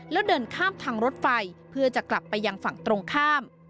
แล้วเดินข้ามทางรถไฟเพื่อจะกลับไปยังฝั่งตรงข้าม